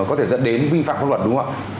có thể dẫn đến vi phạm pháp luật đúng không ạ